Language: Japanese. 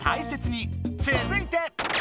つづいて。